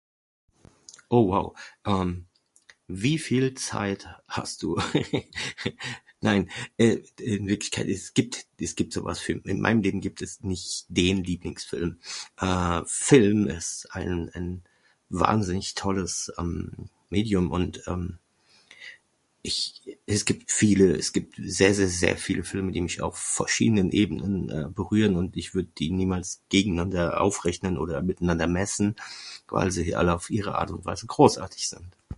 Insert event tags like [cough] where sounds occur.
Oh wau ehm, wie viel Zeit hast Du? [laughs] Nein eh in Wirklichkeit es gibt es gibt sowas, in mein Leben gibt es nicht den Lieblingsfilm. Eh Film ist ein en wahnsinnig tolles Medium und em ich es gibt viele es gibt sehr sehr sehr viele Filme die mich auf verschiedenen Ebenen ehm berühren und ich würd die niemals gegeneinander aufrechnen oder miteinander messen, weil sie alle auf Ihre Art und Weise großartig sind.